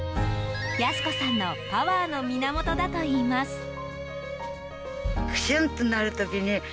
保子さんのパワーの源だといいます。